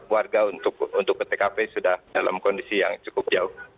warga untuk ke tkp sudah dalam kondisi yang cukup jauh